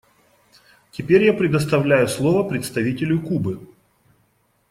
Теперь я предоставляю слово представителю Кубы.